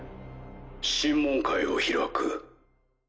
審問会を開く。